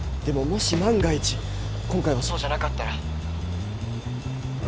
でももし万が一今回はそうじゃなかったら。